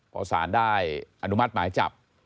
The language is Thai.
พอสารได้อนุมัติหมายจับ